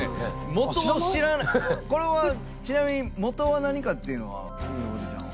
これはちなみに元は何かっていうのはゆめぽてちゃんは。